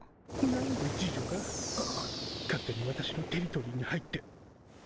何で侍女が勝手に私のテリトリーに入って。